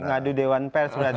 ngadu dewan pers berarti